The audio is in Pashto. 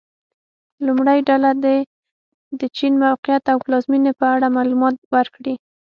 لومړۍ ډله دې د چین موقعیت او پلازمېنې په اړه معلومات ورکړي.